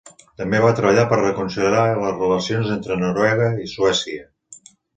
També va treballar per reconciliar les relacions entre Noruega i Suècia.